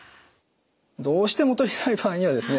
どうしても取りたい場合にはですね